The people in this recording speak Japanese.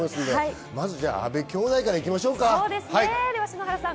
まずは阿部兄妹からいきましょうか。